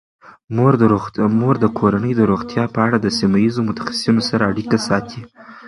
مور د کورنۍ د روغتیا په اړه د سیمه ایزو متخصصینو سره اړیکه ساتي.